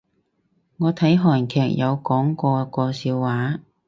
我睇韓劇有講過個笑話